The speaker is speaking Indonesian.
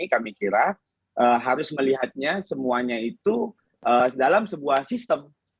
kami kira harus melihatnya semuanya itu dalam sebuah sistem